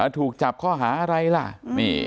อ่าถูกจับเข้าหาอะไรล่ะอืม